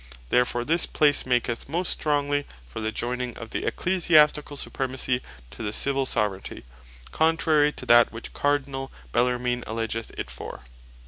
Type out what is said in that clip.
Therefore this place maketh most strongly for the joining of the Ecclesiasticall Supremacy to the Civill Soveraignty, contrary to that which Cardinall Bellarmine alledgeth it for.